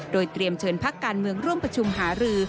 โดยเตรียมเชิญพักการเมืองร่วมประชุมหารือ